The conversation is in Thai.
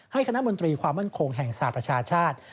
คณะมนตรีความมั่นคงแห่งสหประชาชาติ